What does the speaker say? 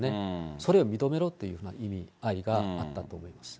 それを認めろという意味合いがあったと思います。